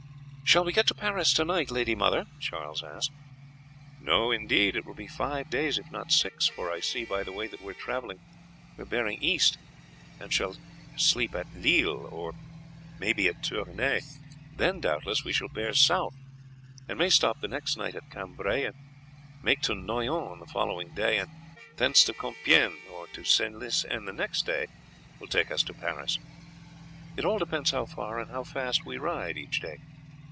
"Shall we get to Paris to night, Lady Mother?" Charlie asked. "No, indeed; it will be five days, if not six, for I see by the way that we are travelling we are bearing east, and shall sleep at Lille or may be at Tournay; then, doubtless, we shall bear south, and may stop the next night at Cambrai, and make to Noyon on the following day, and thence to Compiègne or to Senlis, and the next day will take us to Paris. It all depends how far and how fast we ride each day.